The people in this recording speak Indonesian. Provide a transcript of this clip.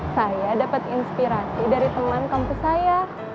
saya dapat inspirasi dari teman kampus saya